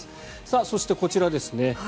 そして、こちらですね。